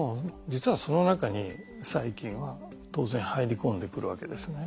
実はその中に細菌は当然入り込んでくるわけですね。